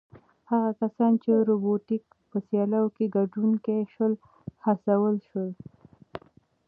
هغه کسان چې د روبوټیک په سیالیو کې ګټونکي شول هڅول شول.